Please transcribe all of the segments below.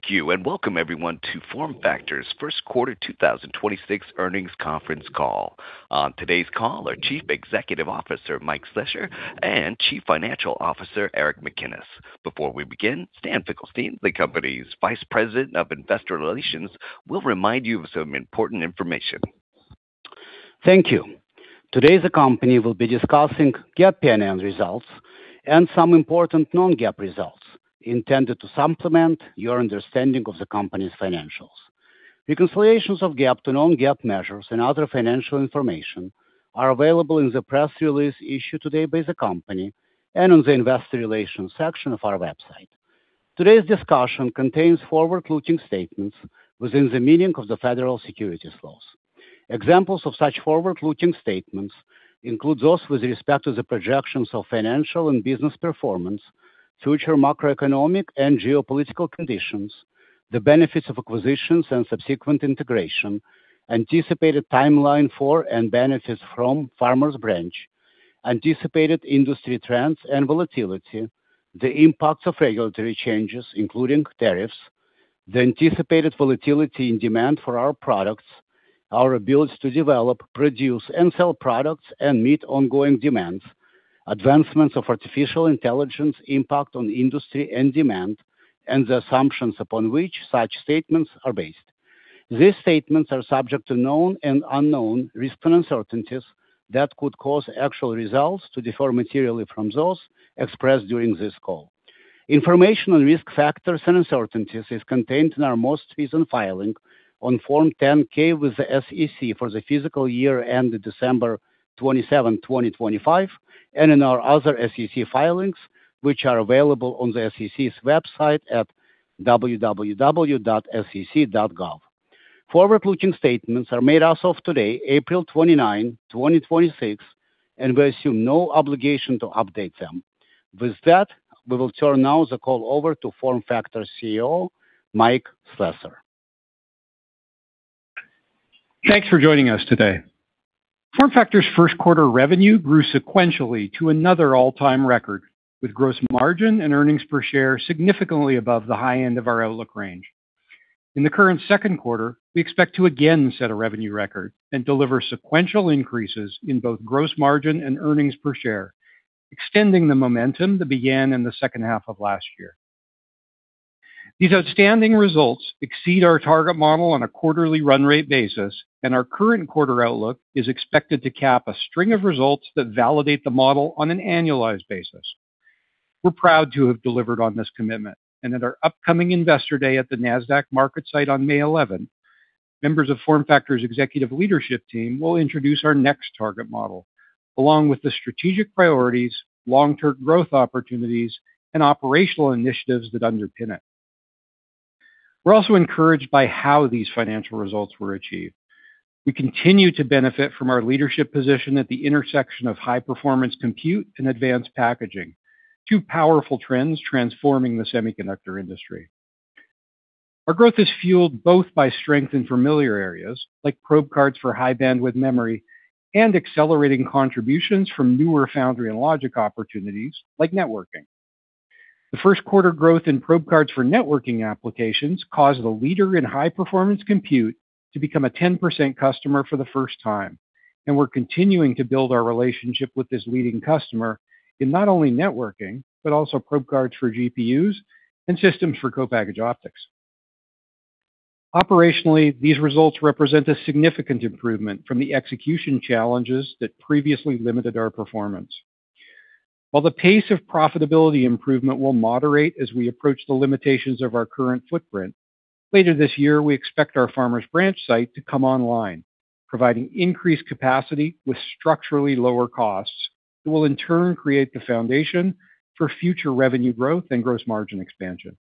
Thank you, welcome everyone to FormFactor's 1st quarter 2026 earnings Conference Call. On today's call are Chief Executive Officer, Mike Slessor, and Chief Financial Officer, Aric McKinnis. Before we begin, Stan Finkelstein, the company's Vice President of Investor Relations, will remind you of some important information. Thank you. Today, the company will be discussing GAAP PNL results and some important non-GAAP results intended to supplement your understanding of the company's financials. Reconciliations of GAAP to non-GAAP measures and other financial information are available in the press release issued today by the company and on the investor relations section of our website. Today's discussion contains forward-looking statements within the meaning of the Federal Securities laws. Examples of such forward-looking statements include those with respect to the projections of financial and business performance, future macroeconomic and geopolitical conditions, the benefits of acquisitions and subsequent integration, anticipated timeline for and benefits from Farmers Branch, anticipated industry trends and volatility, the impact of regulatory changes, including tariffs, the anticipated volatility in demand for our products, our ability to develop, produce, and sell products and meet ongoing demands, advancements of artificial intelligence impact on industry and demand, and the assumptions upon which such statements are based. These statements are subject to known and unknown risks and uncertainties that could cause actual results to differ materially from those expressed during this call. Information on risk factors and uncertainties is contained in our most recent filing on Form 10-K with the SEC for the fiscal year ending 27th December 2025, and in our other SEC filings, which are available on the SEC's website at www.sec.gov. Forward-looking statements are made as of today, 29th April 2026, and we assume no obligation to update them. With that, we will turn now the call over to FormFactor CEO, Mike Slessor. Thanks for joining us today. FormFactor's first quarter revenue grew sequentially to another all-time record, with gross margin and earnings per share significantly above the high end of our outlook range. In the current second quarter, we expect to again set a revenue record and deliver sequential increases in both gross margin and earnings per share, extending the momentum that began in the second half of last year. These outstanding results exceed our target model on a quarterly run rate basis, and our current quarter outlook is expected to cap a string of results that validate the model on an annualized basis. We're proud to have delivered on this commitment, and at our upcoming Investor Day at the Nasdaq market site on 11th May, members of FormFactor's executive leadership team will introduce our next target model, along with the strategic priorities, long-term growth opportunities, and operational initiatives that underpin it. We're also encouraged by how these financial results were achieved. We continue to benefit from our leadership position at the intersection of high-performance compute and Advanced Packaging, two powerful trends transforming the semiconductor industry. Our growth is fueled both by strength in familiar areas, like probe cards for high-bandwidth memory, and accelerating contributions from newer foundry and logic opportunities, like networking. The first quarter growth in probe cards for networking applications caused a leader in high-performance compute to become a 10% customer for the first time, and we're continuing to build our relationship with this leading customer in not only networking, but also probe cards for GPUs and systems for Co-Packaged Optics. Operationally, these results represent a significant improvement from the execution challenges that previously limited our performance. While the pace of profitability improvement will moderate as we approach the limitations of our current footprint, later this year, we expect our Farmers Branch site to come online, providing increased capacity with structurally lower costs that will in turn create the foundation for future revenue growth and gross margin expansion.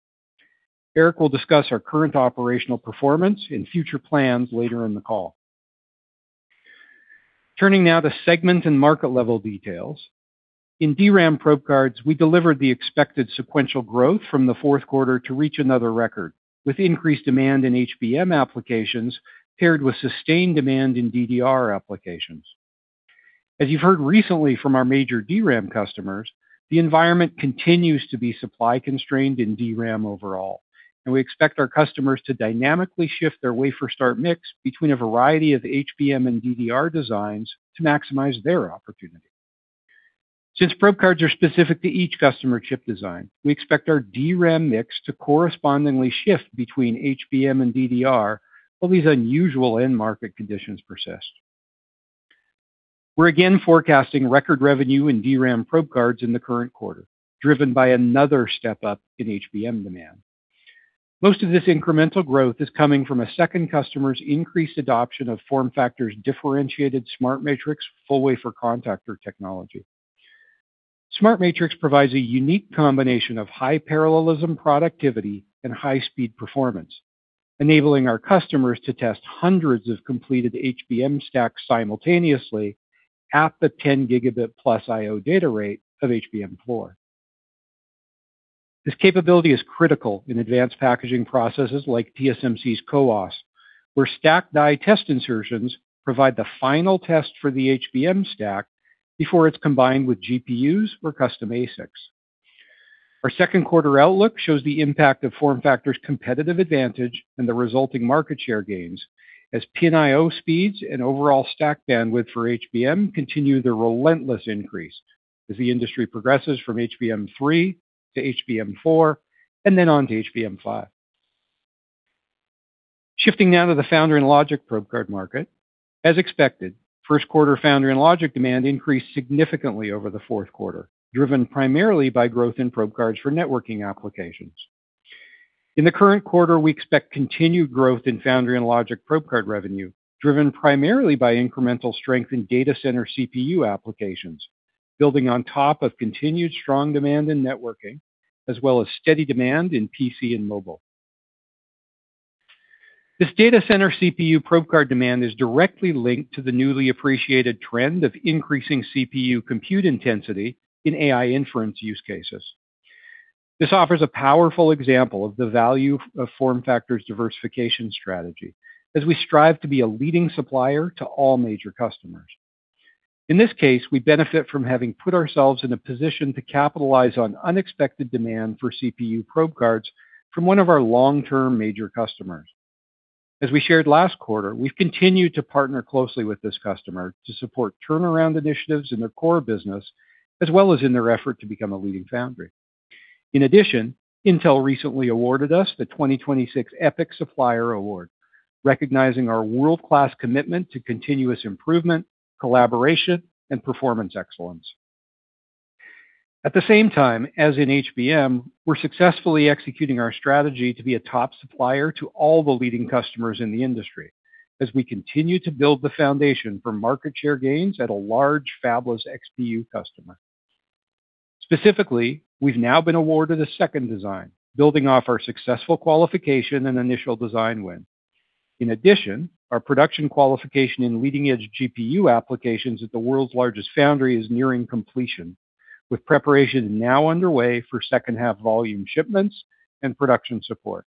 Aric will discuss our current operational performance and future plans later in the call. Turning now to segment and market level details. In DRAM probe cards, we delivered the expected sequential growth from the fourth quarter to reach another record, with increased demand in HBM applications paired with sustained demand in DDR applications. As you've heard recently from our major DRAM customers, the environment continues to be supply constrained in DRAM overall, and we expect our customers to dynamically shift their wafer start mix between a variety of HBM and DDR designs to maximize their opportunity. Since probe cards are specific to each customer chip design, we expect our DRAM mix to correspondingly shift between HBM and DDR while these unusual end market conditions persist. We're again forecasting record revenue in DRAM probe cards in the current quarter, driven by another step up in HBM demand. Most of this incremental growth is coming from a second customer's increased adoption of FormFactor's differentiated SmartMatrix full wafer contactor technology. SmartMatrix provides a unique combination of high parallelism productivity and high-speed performance, enabling our customers to test hundreds of completed HBM stacks simultaneously at the 10 GB plus IO data rate of HBM4. This capability is critical in advanced packaging processes like TSMC's CoWoS stack die test insertions provide the final test for the HBM stack before it's combined with GPUs or custom ASICs. Our second quarter outlook shows the impact of FormFactor's competitive advantage and the resulting market share gains as PNIO speeds and overall stack bandwidth for HBM continue their relentless increase as the industry progresses from HBM3 to HBM4, and then on to HBM5. Shifting now to the foundry and logic probe card market. As expected, first quarter foundry and logic demand increased significantly over the fourth quarter, driven primarily by growth in probe cards for networking applications. In the current quarter, we expect continued growth in foundry and logic probe card revenue, driven primarily by incremental strength in data center CPU applications, building on top of continued strong demand in networking, as well as steady demand in PC and mobile. This data center CPU probe card demand is directly linked to the newly appreciated trend of increasing CPU compute intensity in AI inference use cases. This offers a powerful example of the value of FormFactor's diversification strategy as we strive to be a leading supplier to all major customers. In this case, we benefit from having put ourselves in a position to capitalize on unexpected demand for CPU probe cards from one of our long-term major customers. As we shared last quarter, we've continued to partner closely with this customer to support turnaround initiatives in their core business, as well as in their effort to become a leading foundry. In addition, Intel recently awarded us the 2026 EPIC Supplier Award, recognizing our world-class commitment to continuous improvement, collaboration, and performance excellence. At the same time, as in HBM, we're successfully executing our strategy to be a top supplier to all the leading customers in the industry as we continue to build the foundation for market share gains at a large fabless XPU customer. Specifically, we've now been awarded a second design, building off our successful qualification and initial design win. In addition, our production qualification in leading-edge GPU applications at the world's largest foundry is nearing completion, with preparation now underway for second half volume shipments and production support.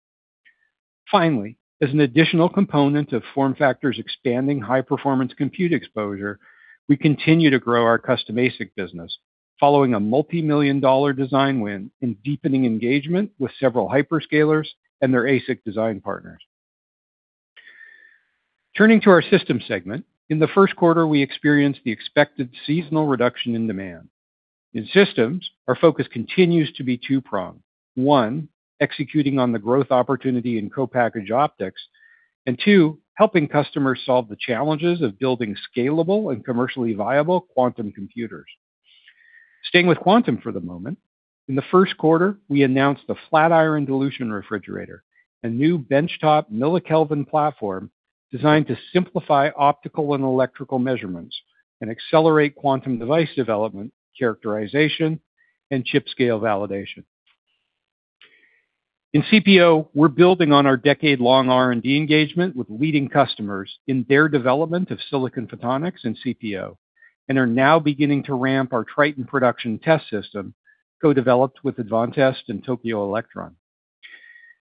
Finally, as an additional component of FormFactor's expanding high-performance compute exposure, we continue to grow our custom ASIC business following a multimillion-dollar design win in deepening engagement with several hyperscalers and their ASIC design partners. Turning to our systems segment. In the first quarter, we experienced the expected seasonal reduction in demand. In systems, our focus continues to be two pronged. one, executing on the growth opportunity in Co-Packaged Optics, and two, helping customers solve the challenges of building scalable and commercially viable quantum computers. Staying with quantum for the moment, in the first quarter, we announced the Flatiron dilution refrigerator, a new benchtop millikelvin platform designed to simplify optical and electrical measurements and accelerate quantum device development, characterization, and chip-scale validation. In CPO, we're building on our decade-long R&D engagement with leading customers in their development of silicon photonics and CPO, and are now beginning to ramp our TRITON production test system co-developed with Advantest and Tokyo Electron.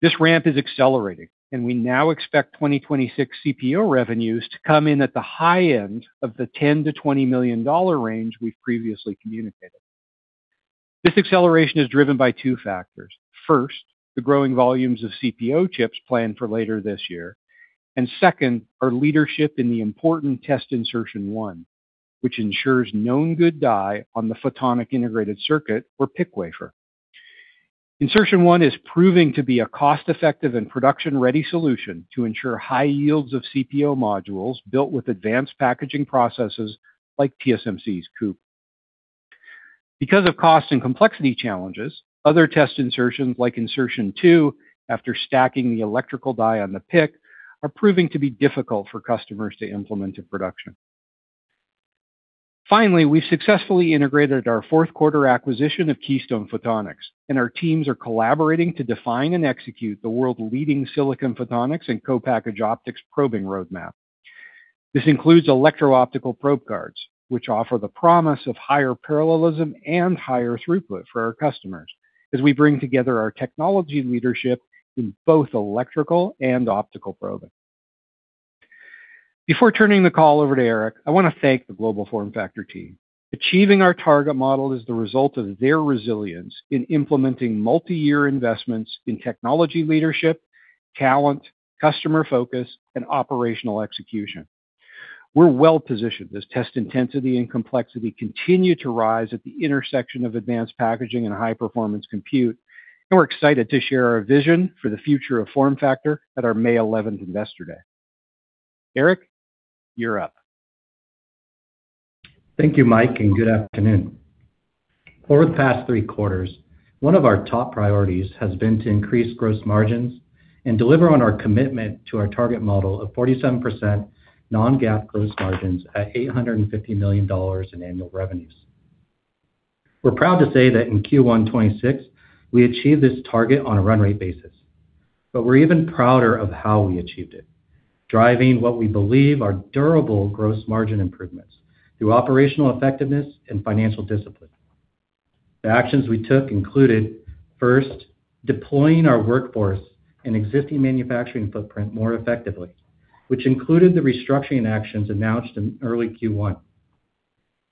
This ramp is accelerating, and we now expect 2026 CPO revenues to come in at the high end of the $10 million-$20 million range we've previously communicated. This acceleration is driven by two factors. First, the growing volumes of CPO chips planned for later this year, and second, our leadership in the important test insertion one, which ensures known good die on the photonic integrated circuit or PIC wafer. Insertion one is proving to be a cost-effective and production-ready solution to ensure high yields of CPO modules built with Advanced Packaging processes like TSMC's COUPE. Because of cost and complexity challenges, other test insertions like insertion two, after stacking the electrical die on the PIC, are proving to be difficult for customers to implement in production. Finally, we've successfully integrated our fourth quarter acquisition of Keystone Photonics, and our teams are collaborating to define and execute the world's leading Silicon Photonics and Co-Packaged Optics probing roadmap. This includes electro-optical probe cards, which offer the promise of higher parallelism and higher throughput for our customers as we bring together our technology leadership in both electrical and optical probing. Before turning the call over to Aric, I want to thank the global FormFactor team. Achieving our target model is the result of their resilience in implementing multi-year investments in technology leadership, talent, customer focus, and operational execution. We're well-positioned as test intensity and complexity continue to rise at the intersection of Advanced Packaging and high-performance compute. We're excited to share our vision for the future of FormFactor at our May 11th investor day. Aric, you're up. Thank you, Mike, and good afternoon. For the past 3 quarters, one of our top priorities has been to increase gross margins and deliver on our commitment to our target model of 47% non-GAAP gross margins at $850 million in annual revenues. We're proud to say that in Q1 2026, we achieved this target on a run rate basis. We're even prouder of how we achieved it, driving what we believe are durable gross margin improvements through operational effectiveness and financial discipline. The actions we took included, first, deploying our workforce and existing manufacturing footprint more effectively, which included the restructuring actions announced in early Q1.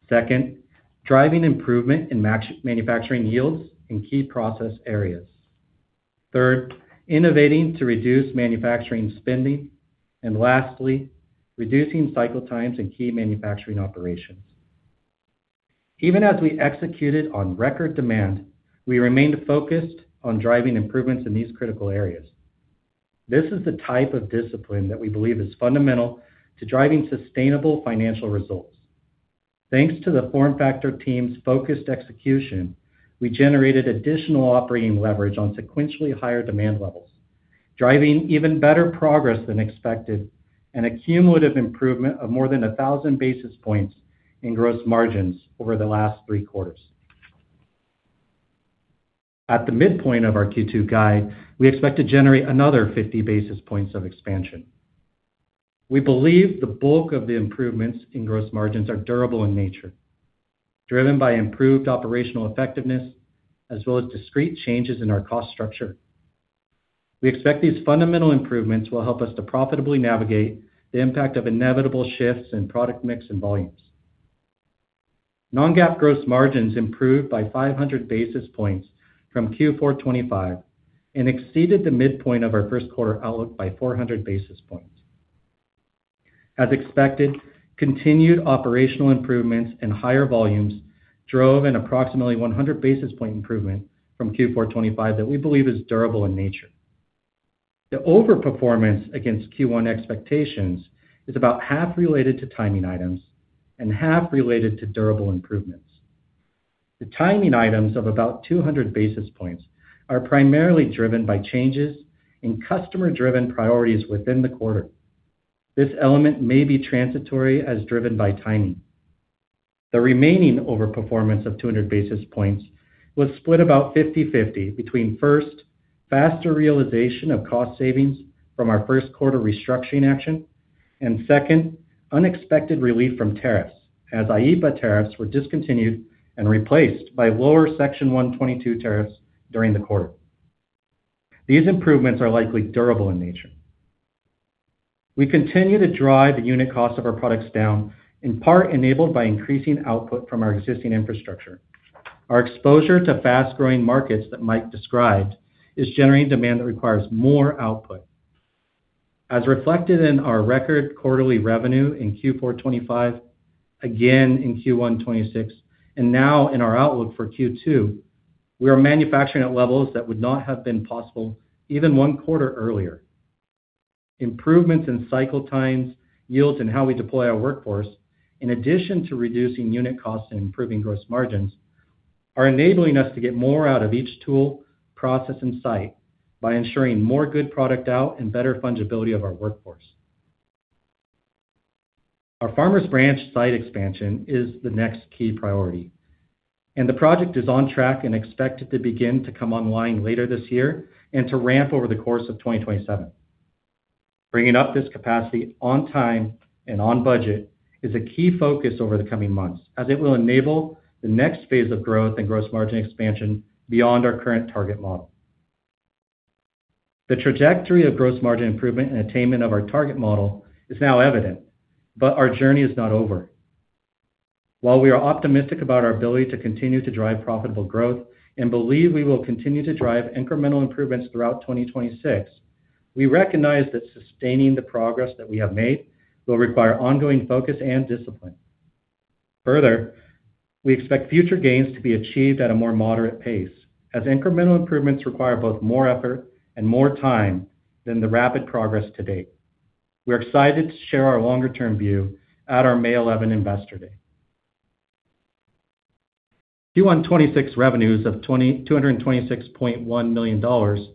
Second, driving improvement in manufacturing yields in key process areas. Third, innovating to reduce manufacturing spending. Lastly, reducing cycle times in key manufacturing operations. Even as we executed on record demand, we remained focused on driving improvements in these critical areas. This is the type of discipline that we believe is fundamental to driving sustainable financial results. Thanks to the FormFactor team's focused execution, we generated additional operating leverage on sequentially higher demand levels, driving even better progress than expected, and a cumulative improvement of more than 1,000 basis points in gross margins over the last three quarters. At the midpoint of our Q2 guide, we expect to generate another 50 basis points of expansion. We believe the bulk of the improvements in gross margins are durable in nature, driven by improved operational effectiveness as well as discrete changes in our cost structure. We expect these fundamental improvements will help us to profitably navigate the impact of inevitable shifts in product mix and volumes. Non-GAAP gross margins improved by 500 basis points from Q4 2025, and exceeded the midpoint of our first quarter outlook by 400 basis points. As expected, continued operational improvements and higher volumes drove an approximately 100 basis point improvement from Q4 2025 that we believe is durable in nature. The overperformance against Q1 expectations is about half related to timing items and half related to durable improvements. The timing items of about 200 basis points are primarily driven by changes in customer-driven priorities within the quarter. This element may be transitory as driven by timing. The remaining overperformance of 200 basis points was split about 50/50 between, first, faster realization of cost savings from our first quarter restructuring action, and second, unexpected relief from tariffs, as IEEPA tariffs were discontinued and replaced by lower Section 232 tariffs during the quarter. These improvements are likely durable in nature. We continue to drive the unit cost of our products down, in part enabled by increasing output from our existing infrastructure. Our exposure to fast-growing markets that Mike described is generating demand that requires more output. As reflected in our record quarterly revenue in Q4 2025, again in Q1 2026, and now in our outlook for Q2, we are manufacturing at levels that would not have been possible even one quarter earlier. Improvements in cycle times, yields, and how we deploy our workforce, in addition to reducing unit costs and improving gross margins, are enabling us to get more out of each tool, process, and site by ensuring more good product out and better fungibility of our workforce. Our Farmers Branch site expansion is the next key priority, the project is on track and expected to begin to come online later this year and to ramp over the course of 2027. Bringing up this capacity on time and on budget is a key focus over the coming months, as it will enable the next phase of growth and gross margin expansion beyond our current target model. The trajectory of gross margin improvement and attainment of our target model is now evident, but our journey is not over. While we are optimistic about our ability to continue to drive profitable growth and believe we will continue to drive incremental improvements throughout 2026, we recognize that sustaining the progress that we have made will require ongoing focus and discipline. Further, we expect future gains to be achieved at a more moderate pace, as incremental improvements require both more effort and more time than the rapid progress to date. We're excited to share our longer-term view at our May 11th investor day. Q1 2026 revenues of $226.1 million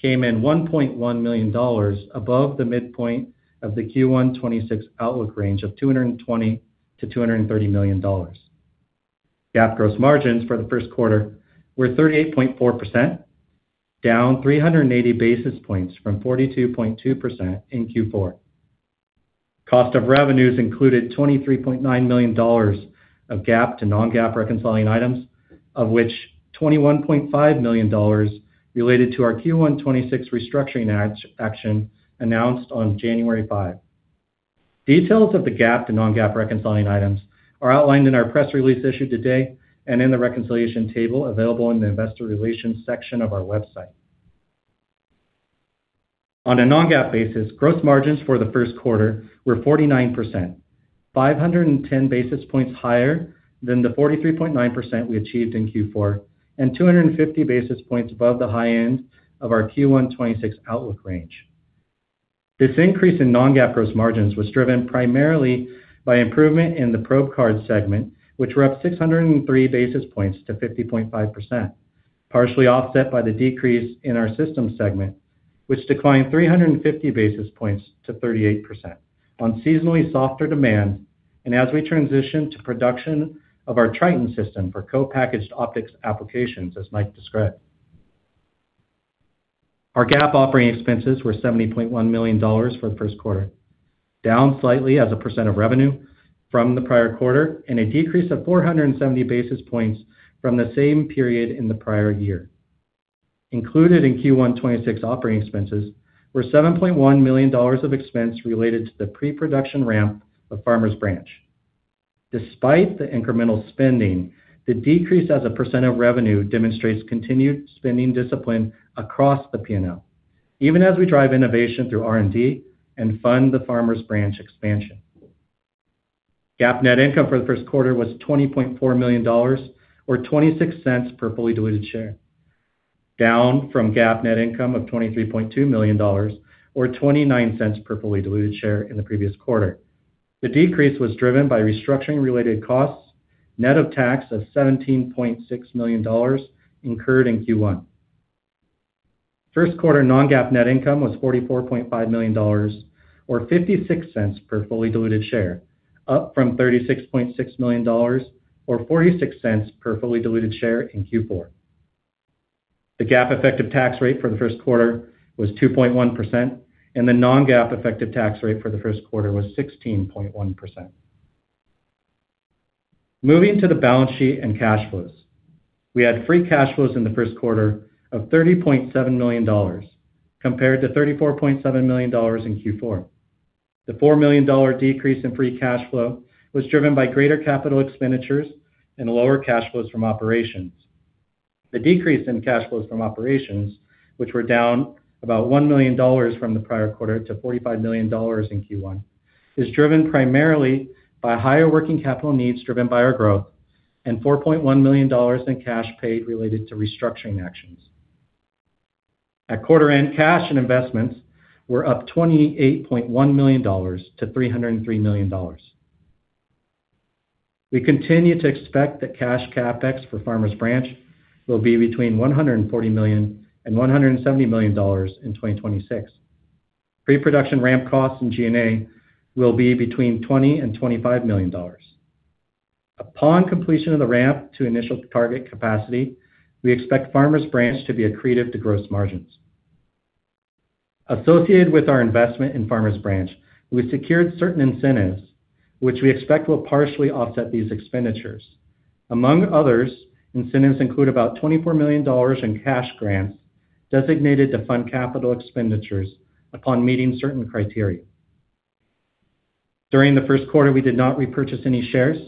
came in $1.1 million above the midpoint of the Q1 2026 outlook range of $220 million-$230 million. GAAP gross margins for the first quarter were 38.4%, down 380 basis points from 42.2% in Q4. Cost of revenues included $23.9 million of GAAP to non-GAAP reconciling items, of which $21.5 million related to our Q1 2026 restructuring action announced on January five. Details of the GAAP to non-GAAP reconciling items are outlined in our press release issued today and in the reconciliation table available in the investor relations section of our website. On a non-GAAP basis, gross margins for the first quarter were 49%, 510 basis points higher than the 43.9% we achieved in Q4, and 250 basis points above the high end of our Q1 2026 outlook range. This increase in non-GAAP gross margins was driven primarily by improvement in the probe card segment, which were up 603 basis points to 50.5%, partially offset by the decrease in our systems segment, which declined 350 basis points to 38% on seasonally softer demand and as we transition to production of our TRITON system for Co-Packaged Optics applications, as Mike described. Our GAAP operating expenses were $70.1 million for the first quarter, down slightly as a percent of revenue from the prior quarter and a decrease of 470 basis points from the same period in the prior year. Included in Q1 2026 operating expenses were $7.1 million of expense related to the pre-production ramp of Farmers Branch. Despite the incremental spending, the decrease as a % of revenue demonstrates continued spending discipline across the P&L, even as we drive innovation through R&D and fund the Farmers Branch expansion. GAAP net income for the 1st quarter was $20.4 million, or $0.26 per fully diluted share, down from GAAP net income of $23.2 million, or $0.29 per fully diluted share in the previous quarter. The decrease was driven by restructuring related costs, net of tax of $17.6 million incurred in Q1. 1st quarter non-GAAP net income was $44.5 million, or $0.56 per fully diluted share, up from $36.6 million, or $0.46 per fully diluted share in Q4. The GAAP effective tax rate for the 1st quarter was 2.1%, and the non-GAAP effective tax rate for the 1st quarter was 16.1%. Moving to the balance sheet and cash flows. We had free cash flows in the first quarter of $30.7 million compared to $34.7 million in Q4. The $4 million decrease in free cash flow was driven by greater capital expenditures and lower cash flows from operations. The decrease in cash flows from operations, which were down about $1 million from the prior quarter to $45 million in Q1, is driven primarily by higher working capital needs driven by our growth and $4.1 million in cash paid related to restructuring actions. At quarter end, cash and investments were up $28.1 million-$303 million. We continue to expect that cash CapEx for Farmers Branch will be between $140 million and $170 million in 2026. Pre-production ramp costs in G&A will be between $20 million and $25 million. Upon completion of the ramp to initial target capacity, we expect Farmers Branch to be accretive to gross margins. Associated with our investment in Farmers Branch, we secured certain incentives, which we expect will partially offset these expenditures. Among others, incentives include about $24 million in cash grants designated to fund capital expenditures upon meeting certain criteria. During the first quarter, we did not repurchase any shares.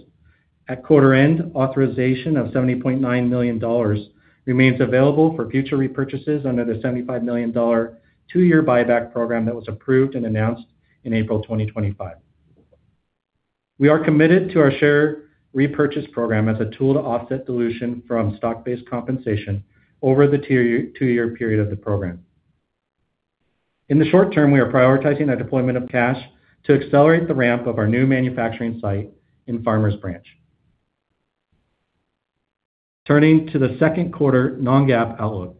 At quarter end, authorization of $70.9 million remains available for future repurchases under the $75 million two-year buyback program that was approved and announced in April 2025. We are committed to our share repurchase program as a tool to offset dilution from stock-based compensation over the two-year period of the program. In the short term, we are prioritizing our deployment of cash to accelerate the ramp of our new manufacturing site in Farmers Branch. Turning to the second quarter non-GAAP outlook.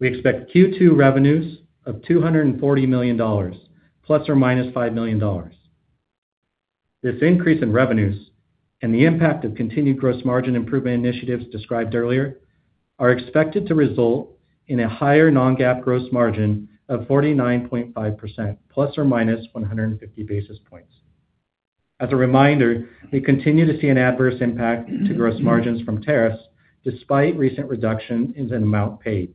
We expect Q2 revenues of $240 million ±$5 million. This increase in revenues and the impact of continued gross margin improvement initiatives described earlier are expected to result in a higher non-GAAP gross margin of 49.5% plus or minus 150 basis points. As a reminder, we continue to see an adverse impact to gross margins from tariffs despite recent reduction in the amount paid.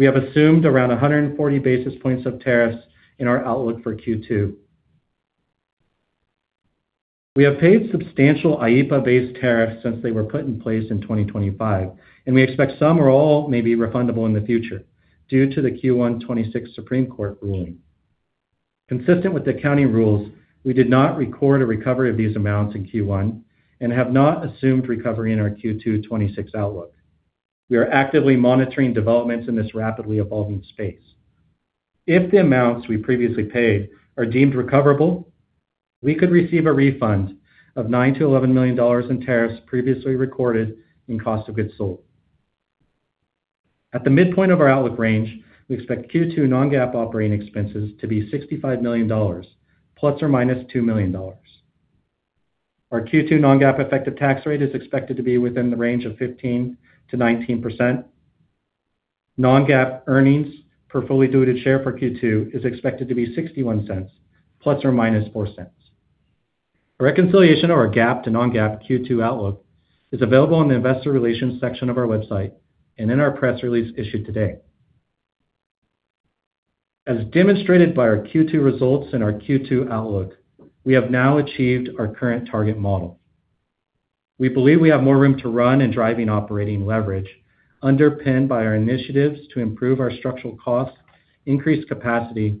We have assumed around 140 basis points of tariffs in our outlook for Q2. We have paid substantial IEEPA-based tariffs since they were put in place in 2025, and we expect some or all may be refundable in the future due to the Q1 2026 Supreme Court ruling. Consistent with the accounting rules, we did not record a recovery of these amounts in Q1 and have not assumed recovery in our Q2 2026 outlook. We are actively monitoring developments in this rapidly evolving space. If the amounts we previously paid are deemed recoverable, we could receive a refund of $9 million-$11 million in tariffs previously recorded in cost of goods sold. At the midpoint of our outlook range, we expect Q2 non-GAAP operating expenses to be $65 million ±$2 million. Our Q2 non-GAAP effective tax rate is expected to be within the range of 15%-19%. Non-GAAP earnings per fully diluted share for Q2 is expected to be $0.61 ±$0.04. A reconciliation of our GAAP to non-GAAP Q2 outlook is available in the investor relations section of our website and in our press release issued today. As demonstrated by our Q2 results and our Q2 outlook, we have now achieved our current target model. We believe we have more room to run in driving operating leverage underpinned by our initiatives to improve our structural costs, increase capacity,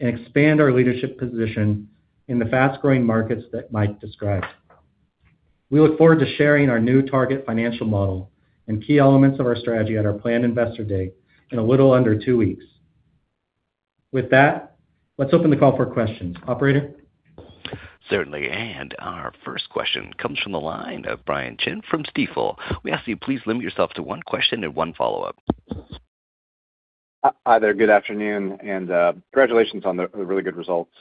and expand our leadership position in the fast-growing markets that Mike described. We look forward to sharing our new target financial model and key elements of our strategy at our planned Investor Day in a little under two weeks. With that, let's open the call for questions. Operator? Certainly. Our first question comes from the line of Brian Chin from Stifel. We ask that you please limit yourself to one question and one follow-up. Hi there. Good afternoon, and congratulations on the really good results.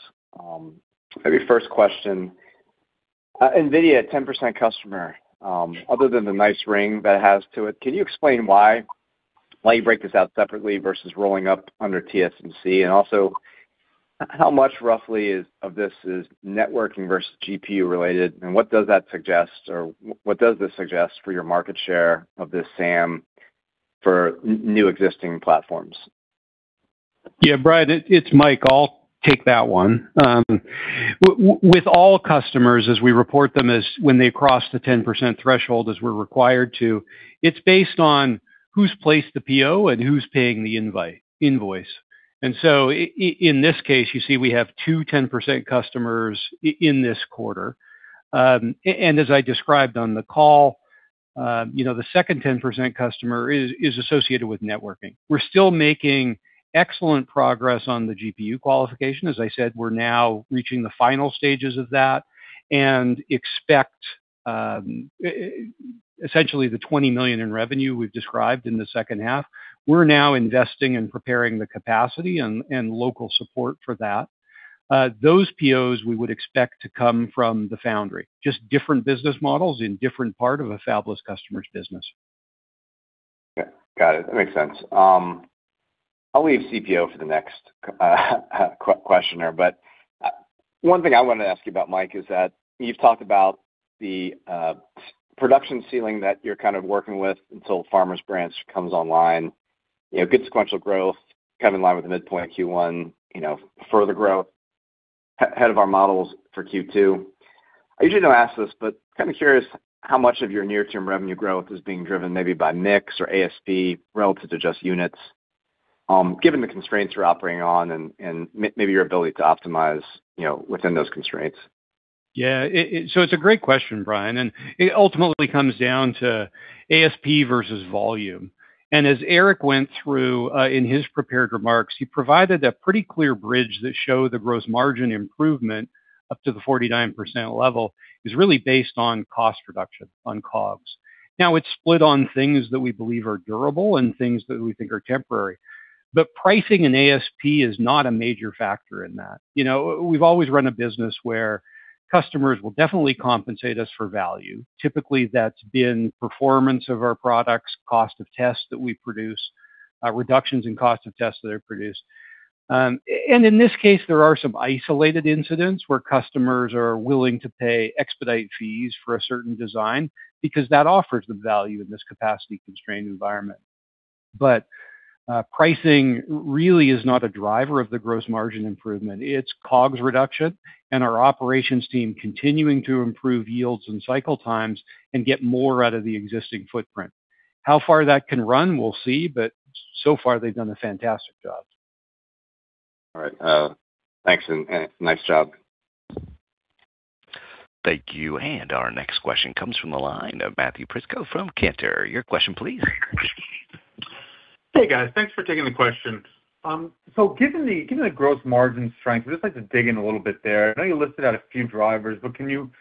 Maybe first question. NVIDIA 10% customer, other than the nice ring that it has to it, can you explain why you break this out separately versus rolling up under TSMC? Also how much roughly is of this is networking versus GPU related, and what does this suggest for your market share of this SAM for new existing platforms? Yeah, Brian, it's Mike. I'll take that one. With all customers, as we report them as when they cross the 10% threshold as we're required to, it's based on who's placed the PO and who's paying the invoice. In this case, you see we have 2 10% customers in this quarter. As I described on the call, you know, the second 10% customer is associated with networking. We're still making excellent progress on the GPU qualification. As I said, we're now reaching the final stages of that and expect essentially the $20 million in revenue we've described in the second half. We're now investing and preparing the capacity and local support for that. Those POs we would expect to come from the foundry, just different business models in different part of a fabless customer's business. Yeah. Got it. That makes sense. I'll leave CPO for the next questioner. One thing I wanted to ask you about, Mike, is that you've talked about the production ceiling that you're kind of working with until Farmers Branch comes online. You know, good sequential growth, kind of in line with the midpoint Q1, you know, further growth ahead of our models for Q2. I usually don't ask this, but kind of curious how much of your near-term revenue growth is being driven maybe by mix or ASP relative to just units, given the constraints you're operating on and maybe your ability to optimize, you know, within those constraints. Yeah. It's a great question, Brian Chin, and it ultimately comes down to ASP versus volume. As Aric McKinnis went through in his prepared remarks, he provided a pretty clear bridge that showed the gross margin improvement up to the 49% level is really based on cost reduction on COGS. Now, it's split on things that we believe are durable and things that we think are temporary. Pricing and ASP is not a major factor in that. You know, we've always run a business where customers will definitely compensate us for value. Typically, that's been performance of our products, cost of tests that we produce, reductions in cost of tests that are produced. In this case, there are some isolated incidents where customers are willing to pay expedite fees for a certain design because that offers the value in this capacity-constrained environment. Pricing really is not a driver of the gross margin improvement. It's COGS reduction and our operations team continuing to improve yields and cycle times and get more out of the existing footprint. How far that can run, we'll see, but so far they've done a fantastic job. All right. Thanks and nice job. Thank you. Our next question comes from the line of Matthew Prisco from Cantor. Your question please. Hey, guys. Thanks for taking the question. Given the gross margin strength, I'd just like to dig in a little bit there. I know you listed out a few drivers, can you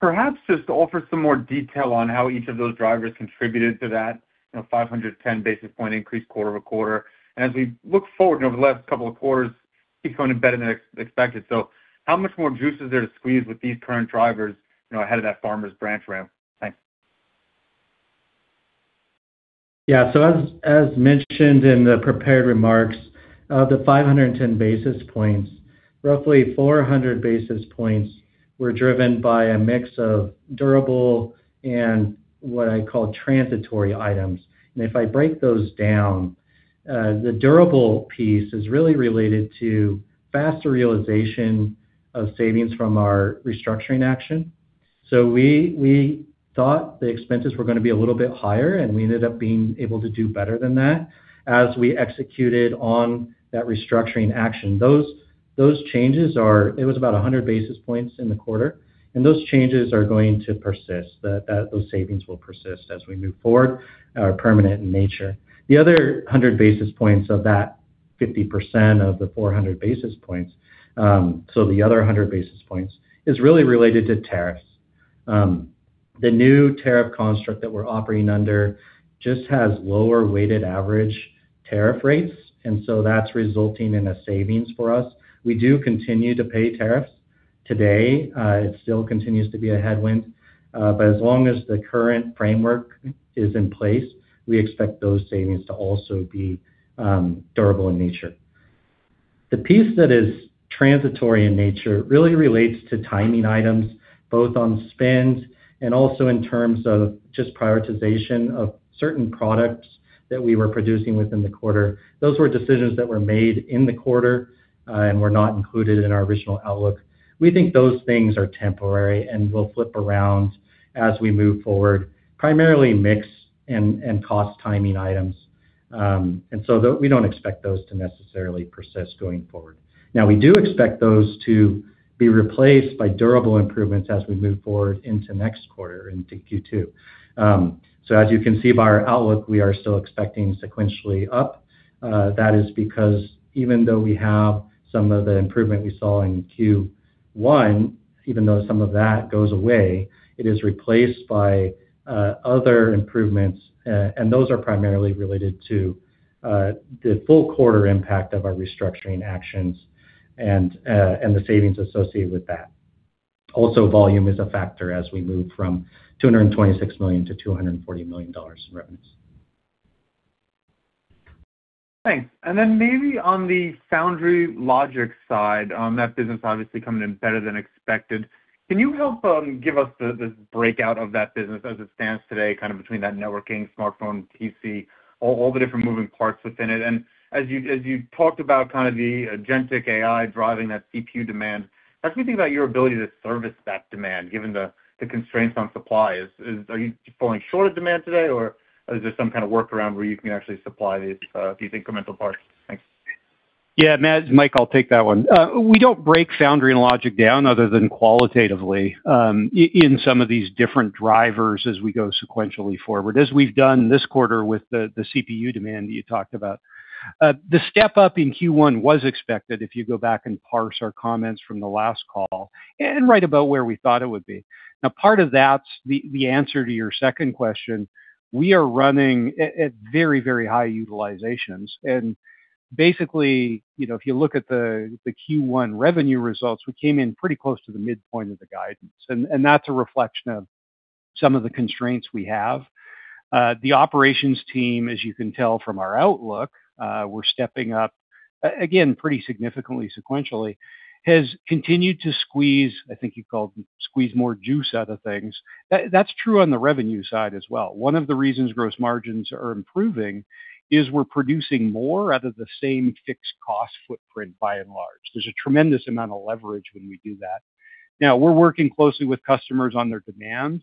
perhaps just offer some more detail on how each of those drivers contributed to that, you know, 510 basis point increase quarter-over-quarter? As we look forward, you know, over the last couple of quarters, keeps going better than expected. How much more juice is there to squeeze with these current drivers, you know, ahead of that Farmers Branch ramp? Thanks. As, as mentioned in the prepared remarks, of the 510 basis points, roughly 400 basis points were driven by a mix of durable and what I call transitory items. If I break those down, the durable piece is really related to faster realization of savings from our restructuring action. We, we thought the expenses were gonna be a little bit higher, and we ended up being able to do better than that as we executed on that restructuring action. Those changes It was about 100 basis points in the quarter, and those changes are going to persist. Those savings will persist as we move forward, are permanent in nature. The other 100 basis points of that 50% of the 400 basis points, the other 100 basis points is really related to tariffs. The new tariff construct that we're operating under just has lower weighted average tariff rates, that's resulting in a savings for us. We do continue to pay tariffs today. It still continues to be a headwind. As long as the current framework is in place, we expect those savings to also be durable in nature. The piece that is transitory in nature really relates to timing items, both on spend and also in terms of just prioritization of certain products that we were producing within the quarter. Those were decisions that were made in the quarter, were not included in our original outlook. We think those things are temporary and will flip around as we move forward, primarily mix and cost timing items. We don't expect those to necessarily persist going forward. We do expect those to be replaced by durable improvements as we move forward into next quarter, into Q2. As you can see by our outlook, we are still expecting sequentially up. That is because even though we have some of the improvement we saw in Q1, even though some of that goes away, it is replaced by other improvements, and those are primarily related to the full quarter impact of our restructuring actions and the savings associated with that. Volume is a factor as we move from $226 million-$240 million in revenues. Thanks. Maybe on the foundry logic side, that business obviously coming in better than expected. Can you help give us the breakout of that business as it stands today, kind of between that networking, smartphone, PC, all the different moving parts within it? As you talked about kind of the agentic AI driving that CPU demand, how do you think about your ability to service that demand given the constraints on supply? Are you falling short of demand today, or is there some kind of workaround where you can actually supply these incremental parts? Thanks. Matt, Mike, I'll take that one. We don't break foundry and logic down other than qualitatively, in some of these different drivers as we go sequentially forward, as we've done this quarter with the CPU demand that you talked about. The step up in Q1 was expected, if you go back and parse our comments from the last call, and right about where we thought it would be. Part of that's the answer to your second question. We are running at very, very high utilizations. Basically, you know, if you look at the Q1 revenue results, we came in pretty close to the midpoint of the guidance, and that's a reflection of some of the constraints we have. The operations team, as you can tell from our outlook, we're stepping up again pretty significantly sequentially, has continued to squeeze, I think you called squeeze more juice out of things. That's true on the revenue side as well. One of the reasons gross margins are improving is we're producing more out of the same fixed cost footprint by and large. There's a tremendous amount of leverage when we do that. We're working closely with customers on their demand.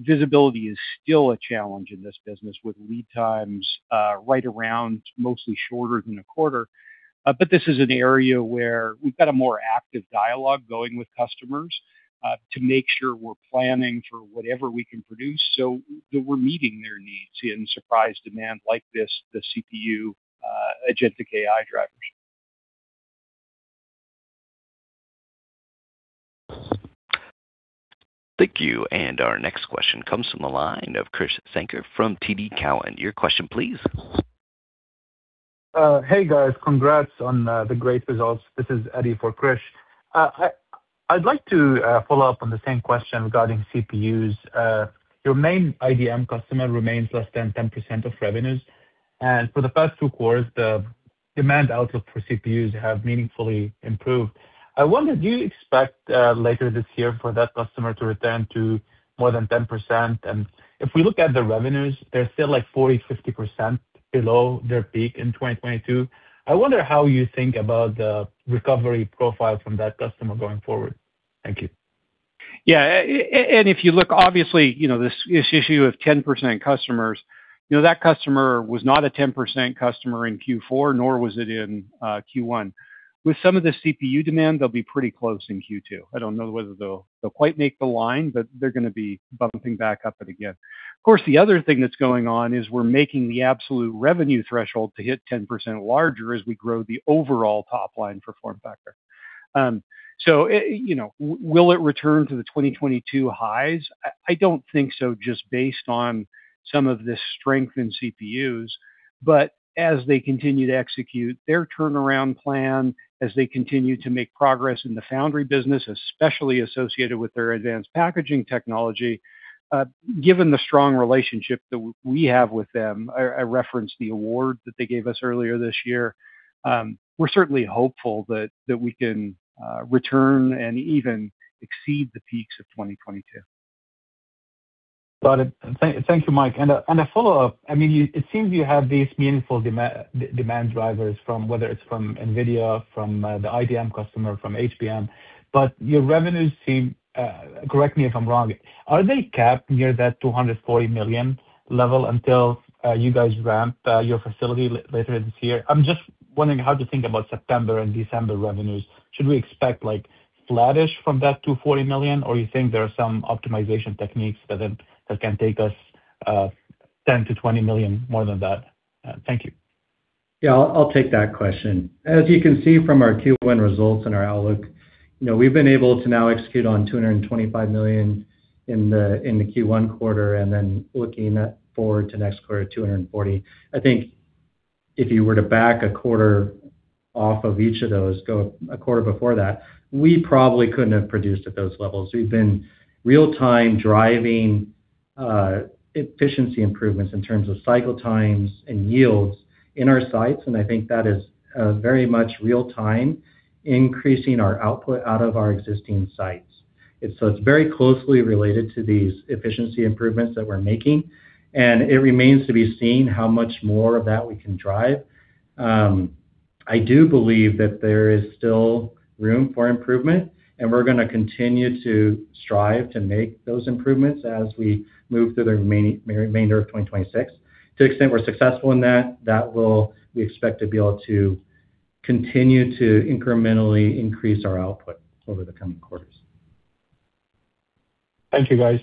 Visibility is still a challenge in this business with lead times, right around mostly shorter than a quarter. This is an area where we've got a more active dialogue going with customers, to make sure we're planning for whatever we can produce so that we're meeting their needs in surprise demand like this, the CPU, agentic AI drivers. Thank you. Our next question comes from the line of Krish Sankar from TD Cowen. Your question, please. Hey, guys. Congrats on the great results. This is Eddie for Krish. I'd like to follow up on the same question regarding CPUs. Your main IDM customer remains less than 10% of revenues. For the past two quarters, the demand outlook for CPUs have meaningfully improved. I wonder, do you expect later this year for that customer to return to more than 10%? If we look at the revenues, they're still like 40%, 50% below their peak in 2022. I wonder how you think about the recovery profile from that customer going forward. Thank you. Yeah. If you look, obviously, you know, this issue of 10% customers, you know, that customer was not a 10% customer in Q4, nor was it in Q1. With some of the CPU demand, they'll be pretty close in Q2. I don't know whether they'll quite make the line, but they're gonna be bumping back up it again. Of course, the other thing that's going on is we're making the absolute revenue threshold to hit 10% larger as we grow the overall top line for FormFactor. You know, will it return to the 2022 highs? I don't think so just based on some of this strength in CPUs. As they continue to execute their turnaround plan, as they continue to make progress in the foundry business, especially associated with their Advanced Packaging technology, given the strong relationship that we have with them, I referenced the award that they gave us earlier this year, we're certainly hopeful that we can return and even exceed the peaks of 2022. Got it. Thank you, Mike. A, and a follow-up. I mean, it seems you have these meaningful demand drivers from whether it's from NVIDIA, from the IDM customer, from HBM, but your revenues seem, correct me if I'm wrong, are they capped near that $240 million level until you guys ramp your facility later this year? I'm just wondering how to think about September and December revenues. Should we expect like flattish from that $240 million, or you think there are some optimization techniques that can, that can take us $10 million-$20 million more than that? Thank you. Yeah, I'll take that question. As you can see from our Q1 results and our outlook, you know, we've been able to now execute on $225 million in the Q1 quarter, and then looking at forward to next quarter at $240 million. I think if you were to back a quarter off of each of those, go a quarter before that, we probably couldn't have produced at those levels. We've been real-time driving efficiency improvements in terms of cycle times and yields in our sites, and I think that is very much real-time increasing our output out of our existing sites. It's very closely related to these efficiency improvements that we're making, and it remains to be seen how much more of that we can drive. I do believe that there is still room for improvement, and we're gonna continue to strive to make those improvements as we move through the remainder of 2026. To the extent we're successful in that, we expect to be able to continue to incrementally increase our output over the coming quarters. Thank you, guys.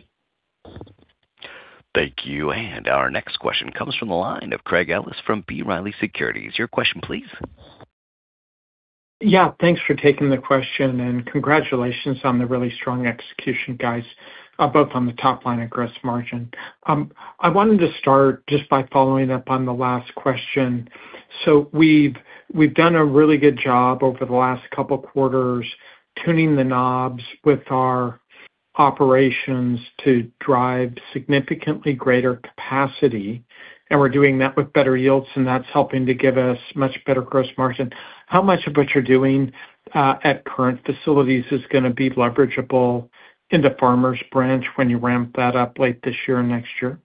Thank you. Our next question comes from the line of Craig Ellis from B. Riley Securities. Your question, please. Yeah. Thanks for taking the question, and congratulations on the really strong execution, guys, both on the top line and gross margin. I wanted to start just by following up on the last question. We've done a really good job over the last couple quarters tuning the knobs with our operations to drive significantly greater capacity, and we're doing that with better yields, and that's helping to give us much better gross margin. How much of what you're doing at current facilities is gonna be leverageable into Farmers Branch when you ramp that up late this year, next year?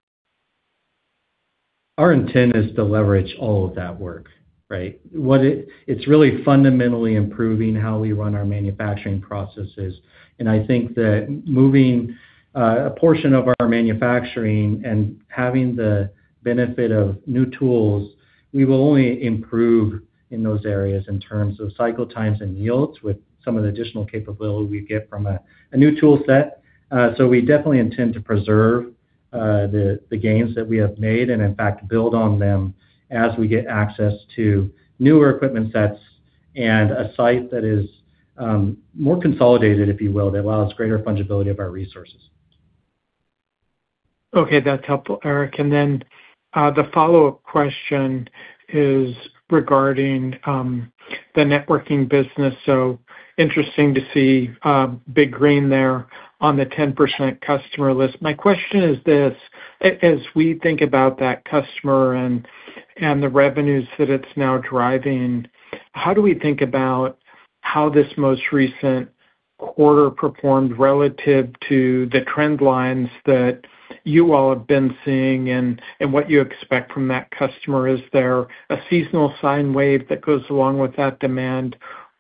Our intent is to leverage all of that work, right? It's really fundamentally improving how we run our manufacturing processes. I think that moving a portion of our manufacturing and having the benefit of new tools, we will only improve in those areas in terms of cycle times and yields with some of the additional capability we get from a new tool set. We definitely intend to preserve the gains that we have made and, in fact, build on them as we get access to newer equipment sets and a site that is more consolidated, if you will, that allows greater fungibility of our resources. Okay, that's helpful, Aric. The follow-up question is regarding the networking business. Interesting to see big green there on the 10% customer list. My question is this, as we think about that customer and the revenues that it's now driving, how do we think about how this most recent quarter performed relative to the trend lines that you all have been seeing and what you expect from that customer? Is there a seasonal sine wave that goes along with that demand?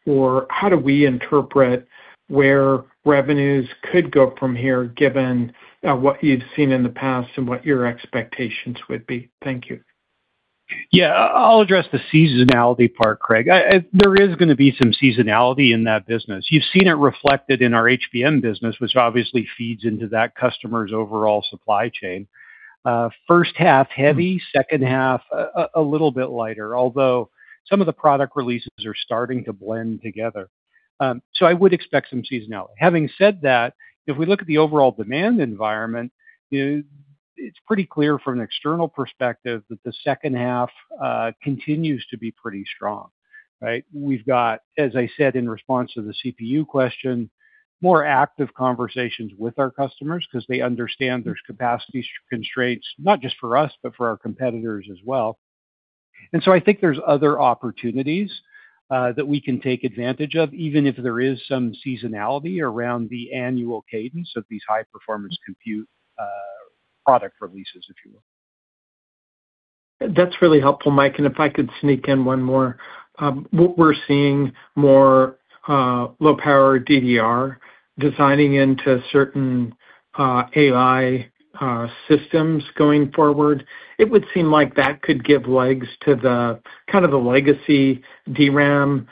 How do we interpret where revenues could go from here, given what you've seen in the past and what your expectations would be? Thank you. Yeah. I'll address the seasonality part, Craig. There is gonna be some seasonality in that business. You've seen it reflected in our HBM business, which obviously feeds into that customer's overall supply chain. First half, heavy. Second half, a little bit lighter, although some of the product releases are starting to blend together. I would expect some seasonality. Having said that, if we look at the overall demand environment, it's pretty clear from an external perspective that the second half continues to be pretty strong, right. We've got, as I said in response to the CPU question, more active conversations with our customers, 'cause they understand there's capacity constraints, not just for us, but for our competitors as well. I think there's other opportunities, that we can take advantage of, even if there is some seasonality around the annual cadence of these high performance compute, product releases, if you will. That's really helpful, Mike. If I could sneak in one more. We're seeing more low power DDR designing into certain AI systems going forward. It would seem like that could give legs to the kind of the legacy DRAM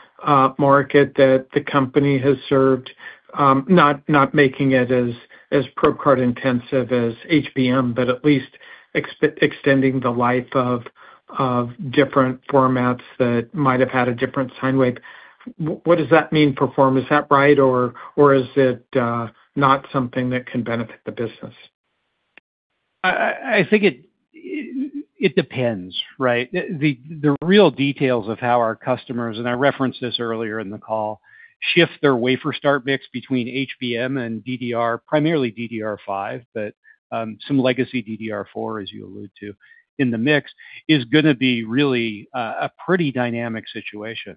market that the company has served. Not making it as probe card intensive as HBM, but at least extending the life of different formats that might have had a different sine wave. What does that mean for Form? Is that right, or is it not something that can benefit the business? I think it depends, right? The real details of how our customers, and I referenced this earlier in the call, shift their wafer start mix between HBM and DDR, primarily DDR5, but some legacy DDR4, as you allude to, in the mix, is gonna be really a pretty dynamic situation. You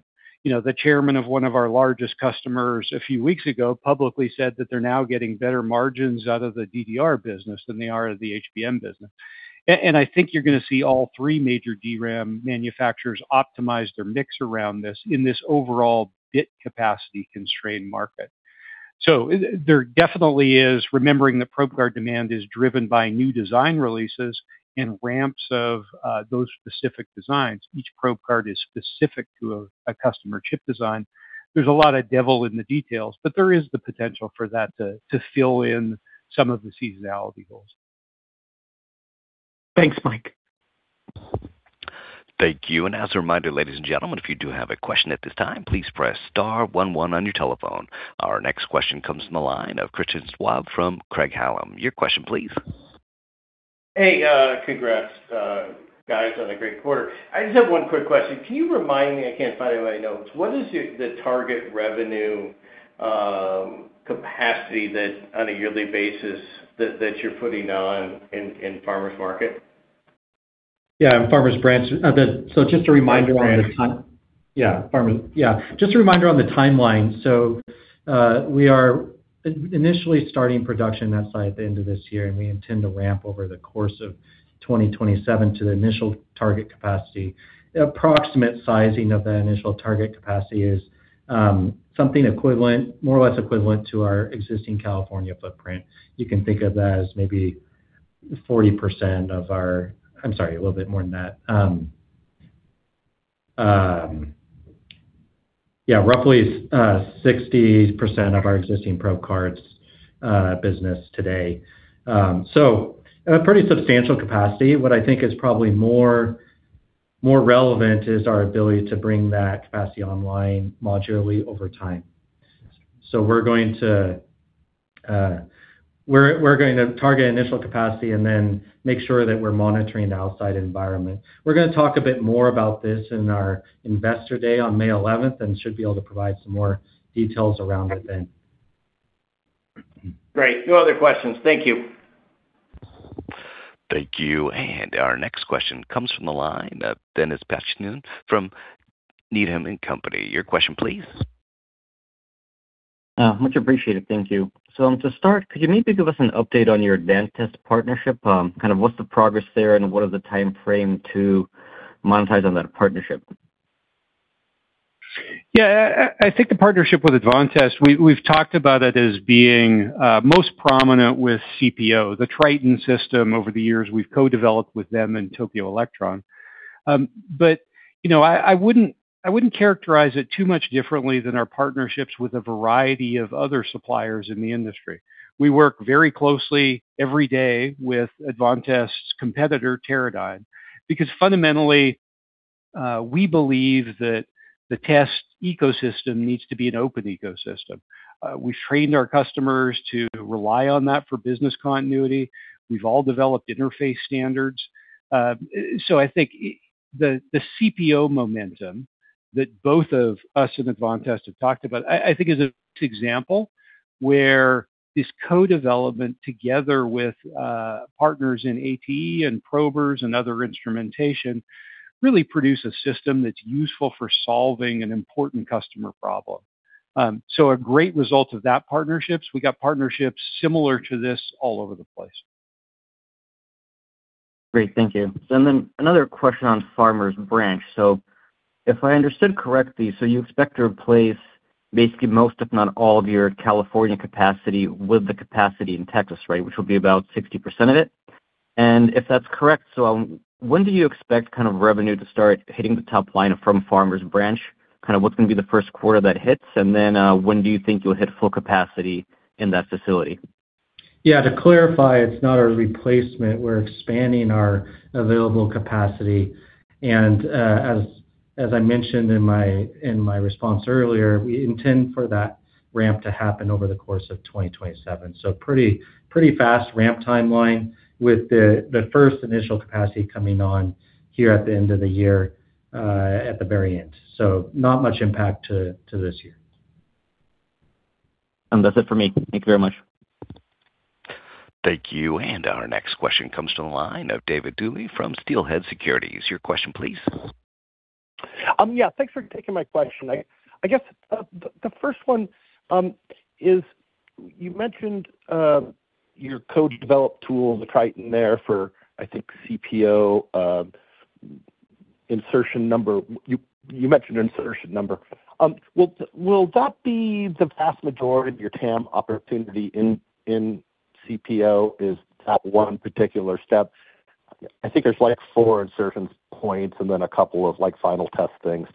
know, the chairman of one of our largest customers a few weeks ago publicly said that they're now getting better margins out of the DDR business than they are of the HBM business. I think you're gonna see all three major DRAM manufacturers optimize their mix around this in this overall bit capacity-constrained market. There definitely is, remembering that probe card demand is driven by new design releases and ramps of those specific designs. Each probe card is specific to a customer chip design. There's a lot of devil in the details, but there is the potential for that to fill in some of the seasonality goals. Thanks, Mike. Thank you. As a reminder, ladies and gentlemen, if you do have a question at this time, please Press Star one one on your telephone. Our next question comes from the line of Christian Schwab from Craig-Hallum. Your question please. Hey, congrats, guys, on a great quarter. I just have one quick question. Can you remind me, I can't find it in my notes, what is your, the target revenue, capacity that on a yearly basis that you're putting on in Farmers Branch? Yeah, Farmers Branch. Just a reminder on the time. Farmers Branch. Yeah, Farmers. Yeah, just a reminder on the timeline. We are initially starting production on that site at the end of this year, and we intend to ramp over the course of 2027 to the initial target capacity. Approximate sizing of the initial target capacity is something equivalent, more or less equivalent to our existing California footprint. You can think of that as maybe 40%. I'm sorry, a little bit more than that, yeah, roughly 60% of our existing probe cards. Business today. A pretty substantial capacity. What I think is probably more, more relevant is our ability to bring that capacity online modularly over time. We're going to target initial capacity and then make sure that we're monitoring the outside environment. We're gonna talk a bit more about this in our investor day on May 11th, and should be able to provide some more details around it then. Great. No other questions. Thank you. Thank you. Our next question comes from the line of Dennis Patchen from Needham & Company. Your question please. Much appreciated. Thank you. To start, could you maybe give us an update on your Advantest partnership, kind of what's the progress there, and what are the time frame to monetize on that partnership? I think the partnership with Advantest, we've talked about it as being most prominent with CPO, the TRITON system. Over the years, we've co-developed with them and Tokyo Electron. You know, I wouldn't characterize it too much differently than our partnerships with a variety of other suppliers in the industry. We work very closely every day with Advantest's competitor, Teradyne, because fundamentally, we believe that the test ecosystem needs to be an open ecosystem. We've trained our customers to rely on that for business continuity. We've all developed interface standards. I think the CPO momentum that both of us and Advantest have talked about, I think is a example where this co-development together with partners in ATE and Probers and other instrumentation really produce a system that's useful for solving an important customer problem. A great result of that partnerships. We got partnerships similar to this all over the place. Great. Thank you. Another question on Farmers Branch. If I understood correctly, you expect to replace basically most, if not all, of your California capacity with the capacity in Texas, right? Which will be about 60% of it. If that's correct, when do you expect kind of revenue to start hitting the top line from Farmers Branch? Kind of what's going to be the first quarter that hits, when do you think you'll hit full capacity in that facility? Yeah. To clarify, it's not a replacement. We're expanding our available capacity, and as I mentioned in my response earlier, we intend for that ramp to happen over the course of 2027. Pretty fast ramp timeline with the first initial capacity coming on here at the end of the year, at the very end. Not much impact to this year. That's it for me. Thank you very much. Thank you. Our next question comes to the line of David Duley from Steelhead Securities. Your question please. Yeah, thanks for taking my question. You mentioned your co-developed tool, the TRITON there for, I think CPO, insertion number. You mentioned insertion number. Will that be the vast majority of your TAM opportunity in CPO is that one particular step? I think there's like four insertion points and then a couple of, like, final test things.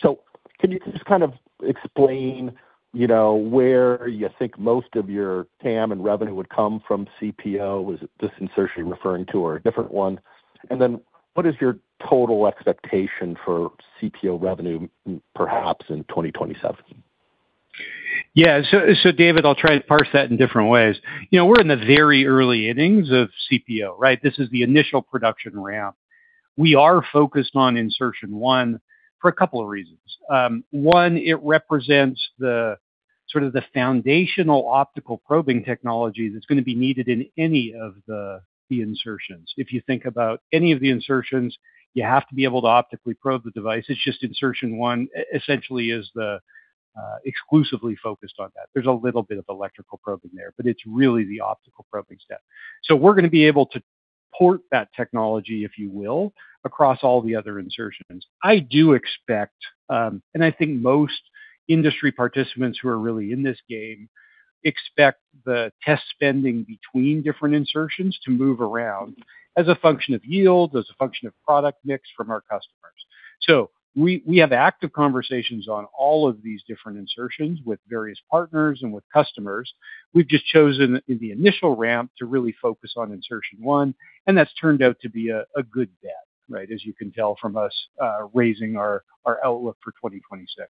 Can you just kind of explain, you know, where you think most of your TAM and revenue would come from CPO? Is it this insertion you're referring to or a different one? What is your total expectation for CPO revenue perhaps in 2027? Yeah. David, I'll try to parse that in different ways. You know, we're in the very early innings of CPO, right? This is the initial production ramp. We are focused on insertion one for a couple of reasons. One, it represents the sort of the foundational optical probing technology that's gonna be needed in any of the insertions. If you think about any of the insertions, you have to be able to optically probe the device. It's just insertion one, essentially is the exclusively focused on that. There's a little bit of electrical probing there, but it's really the optical probing step. We're gonna be able to port that technology, if you will, across all the other insertions. I do expect, I think most industry participants who are really in this game expect the test spending between different insertions to move around as a function of yield, as a function of product mix from our customers. We have active conversations on all of these different insertions with various partners and with customers. We've just chosen in the initial ramp to really focus on insertion one, and that's turned out to be a good bet, right? As you can tell from us, raising our outlook for 2026.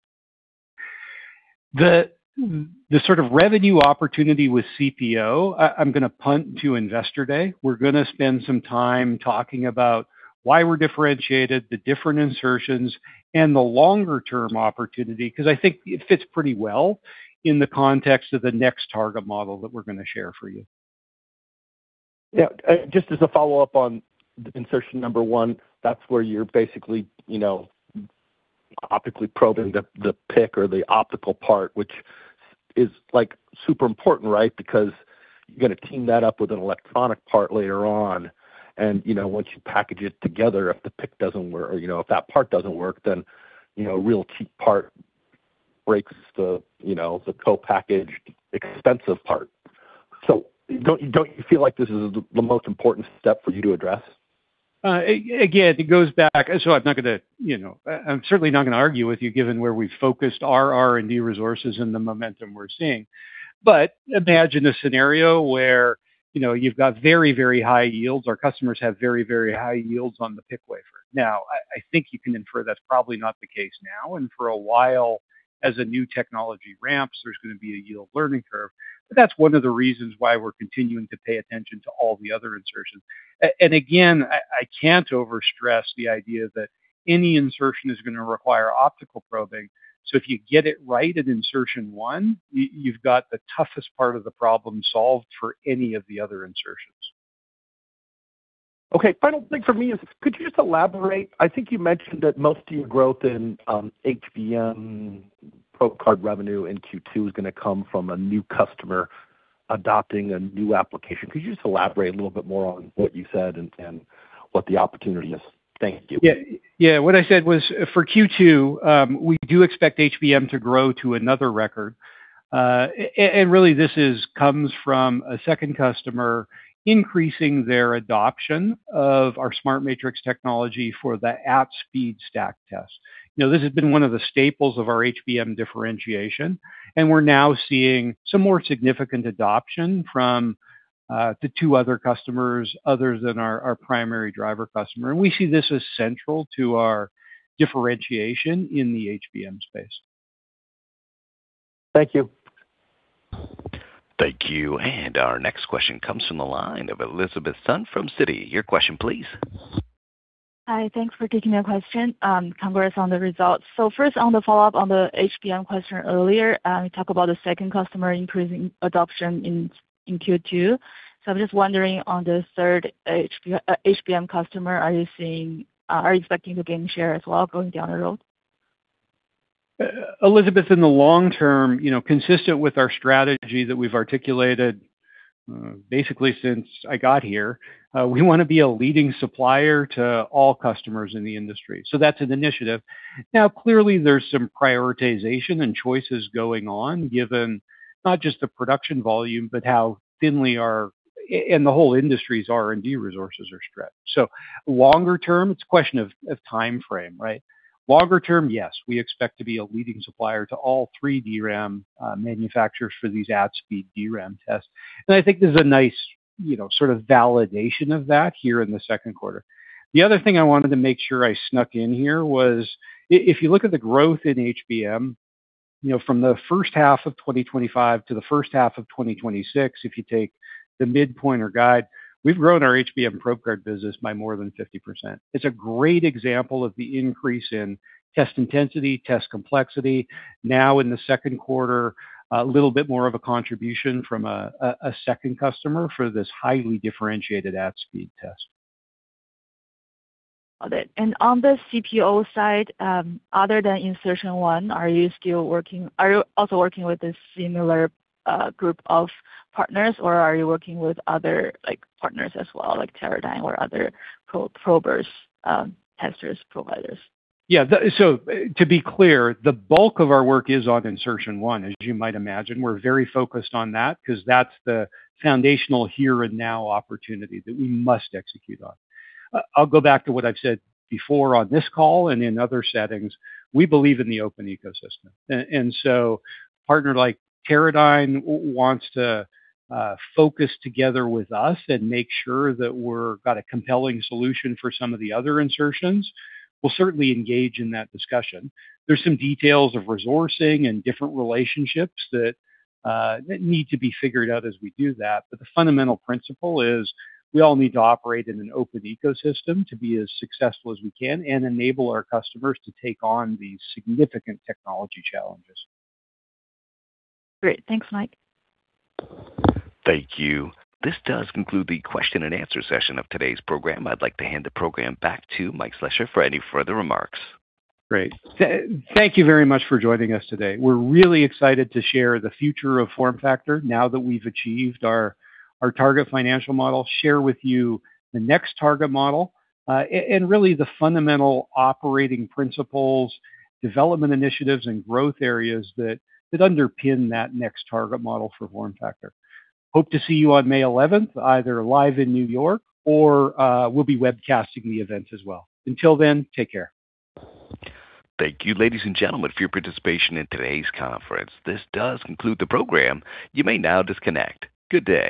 The sort of revenue opportunity with CPO, I'm gonna punt to Investor Day. We're gonna spend some time talking about why we're differentiated, the different insertions, and the longer term opportunity, 'cause I think it fits pretty well in the context of the next target model that we're gonna share for you. Just as a follow-up on insertion number one, that's where you're basically, you know, optically probing the PIC or the optical part, which is, like, super important, right? You're gonna team that up with an electronic part later on, and, you know, once you package it together, if the PIC doesn't work or, you know, if that part doesn't work, then, you know, a real cheap part breaks the, you know, the co-packaged expensive part. Don't you feel like this is the most important step for you to address? Again, I'm not gonna, you know, I'm certainly not gonna argue with you given where we've focused our R&D resources and the momentum we're seeing. Imagine a scenario where, you know, you've got very, very high yields. Our customers have very, very high yields on the PIC wafer. I think you can infer that's probably not the case now, and for a while, as a new technology ramps, there's gonna be a yield learning curve. That's one of the reasons why we're continuing to pay attention to all the other insertions. And again, I can't overstress the idea that any insertion is gonna require optical probing. If you get it right at insertion one, you've got the toughest part of the problem solved for any of the other insertions. Okay. Final thing for me is could you just elaborate, I think you mentioned that most of your growth in HBM probe card revenue in Q2 is gonna come from a new customer adopting a new application. Could you just elaborate a little bit more on what you said and what the opportunity is? Thank you. Yeah. Yeah. What I said was for Q2, we do expect HBM to grow to another record. Really this comes from a second customer increasing their adoption of our SmartMatrix technology for the at-speed stack test. You know, this has been one of the staples of our HBM differentiation, and we're now seeing some more significant adoption from the two other customers other than our primary driver customer. We see this as central to our differentiation in the HBM space. Thank you. Thank you. Our next question comes from the line of Elizabeth Sun from Citi. Your question please. Hi. Thanks for taking my question. Congrats on the results. First on the follow-up on the HBM question earlier, you talk about the second customer increasing adoption in Q2. I'm just wondering on the third HBM customer, are you seeing, are you expecting to gain share as well going down the road? Elizabeth, in the long term, you know, consistent with our strategy that we've articulated, basically since I got here, we wanna be a leading supplier to all customers in the industry. That's an initiative. Now, clearly, there's some prioritization and choices going on given not just the production volume, but how thinly our and the whole industry's R&D resources are stretched. Longer term, it's a question of timeframe, right? Longer term, yes, we expect to be a leading supplier to all three DRAM manufacturers for these at-speed DRAM tests. I think there's a nice, you know, sort of validation of that here in the second quarter. The other thing I wanted to make sure I snuck in here was if you look at the growth in HBM, you know, from the first half of 2025 to the first half of 2026, if you take the midpoint or guide, we've grown our HBM probe card business by more than 50%. It's a great example of the increase in test intensity, test complexity. Now in the second quarter, a little bit more of a contribution from a second customer for this highly differentiated at-speed test. Got it. On the CPO side, other than insertion one, are you also working with a similar group of partners, or are you working with other, like, partners as well, like Teradyne or other probers, testers, providers? Yeah. So to be clear, the bulk of our work is on insertion one. As you might imagine, we're very focused on that 'cause that's the foundational here and now opportunity that we must execute on. I'll go back to what I've said before on this call and in other settings. We believe in the open ecosystem. And so partner like Teradyne wants to focus together with us and make sure that we've got a compelling solution for some of the other insertions, we'll certainly engage in that discussion. There's some details of resourcing and different relationships that need to be figured out as we do that. The fundamental principle is we all need to operate in an open ecosystem to be as successful as we can and enable our customers to take on these significant technology challenges. Great. Thanks, Mike. Thank you. This does conclude the question and answer session of today's program. I'd like to hand the program back to Mike Slessor for any further remarks. Great. Thank you very much for joining us today. We're really excited to share the future of FormFactor now that we've achieved our target financial model, share with you the next target model, and really the fundamental operating principles, development initiatives, and growth areas that underpin that next target model for FormFactor. Hope to see you on May 11th, either live in New York or we'll be webcasting the event as well. Until then, take care. Thank you, ladies and gentlemen, for your participation in today's conference. This does conclude the program. You may now disconnect. Good day.